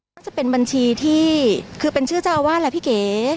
น่าจะเป็นบัญชีที่คือเป็นชื่อเจ้าอาวาสแหละพี่เก๋